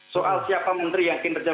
soal siapa menteri yang kinerja